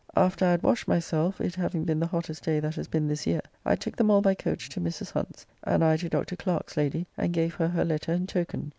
After I had washed myself, it having been the hottest day that has been this year, I took them all by coach to Mrs. Hunt's, and I to Dr. Clerke's lady, and gave her her letter and token.